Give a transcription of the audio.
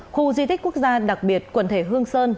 khu di tích quốc gia đặc biệt quần thể hương sơn